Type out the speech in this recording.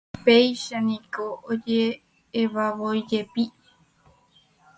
Péicha niko oje'evavoíjepi.